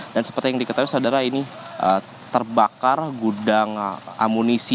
dan seperti yang diketahui saudara ini terbakar gudang amunisi